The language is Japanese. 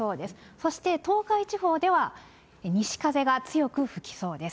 そして東海地方では西風が強く吹きそうです。